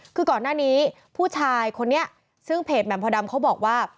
คือก่อนหน้านี้ผู้ชายคนนี้ซึ่งเพจแหม่มโพดำเขาบอกว่า